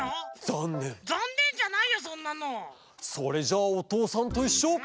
それじゃあ「おとうさんといっしょ」。